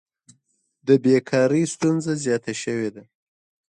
د بیکارۍ ستونزه زیاته شوې ده.